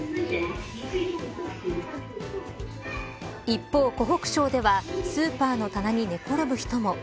一方、湖北省ではスーパーの棚に寝転ぶ人も。